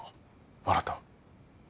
新。